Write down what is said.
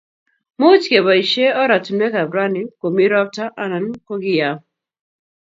Much keboishee oratinwek ab rani komii ropta anan kokiyam